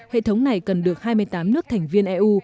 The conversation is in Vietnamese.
hệ thống này cần được hai mươi tám nước thành viên eu